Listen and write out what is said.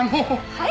はい？